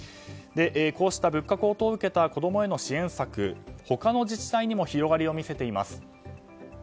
こうした物価高騰を受けた子供への支援策は他の自治体にも広がりを見せています。